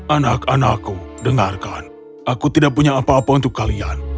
anak anakku dengarkan aku tidak punya apa apa untuk kalian